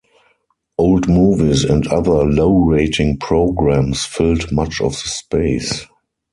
Old movies and other low rating programs filled much of the space.